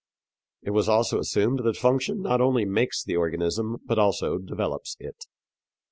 It was also assumed that function not only makes the organ, but also develops it.